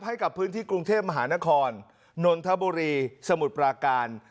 ให้กับพื้นที่กรุงเทพมหานครนนทบุรีสมุทรปราการ